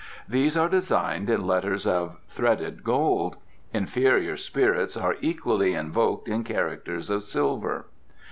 These are designed in letters of threaded gold. Inferior spirits are equally invoked in characters of silver."